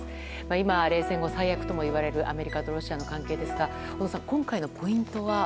今、冷戦後最悪ともいわれるアメリカとロシアの関係ですが小野さん、今回のポイントは？